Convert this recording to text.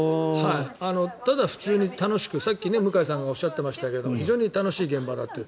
ただ、普通に楽しくさっき向井さんがおっしゃってましたけど非常に楽しい現場だと。